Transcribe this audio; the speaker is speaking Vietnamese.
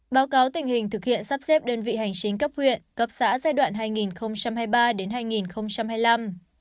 báo cáo tình hình thực hiện sắp xếp đơn vị hành chính cấp huyện cấp xã giai đoạn hai nghìn hai mươi ba hai nghìn hai mươi năm